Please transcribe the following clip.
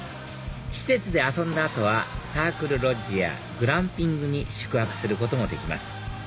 施設で遊んだ後はサークルロッジやグランピングに宿泊することもできます